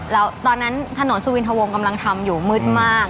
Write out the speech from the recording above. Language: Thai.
แล้วตอนนั้นถนนสุวินทะวงกำลังทำอยู่มืดมาก